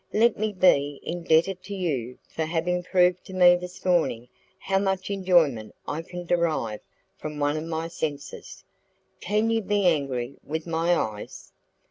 Let me be indebted to you for having proved to me this morning how much enjoyment I can derive from one of my senses. Can you be angry with my eyes?"